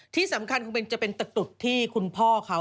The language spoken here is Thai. ที่สำคัญจะเป็นตะกรุดที่คุณพ่อเขา